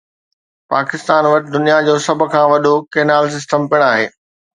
پاڪستان وٽ دنيا جو سڀ کان وڏو ڪينال سسٽم پڻ آهي